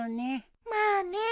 まあね。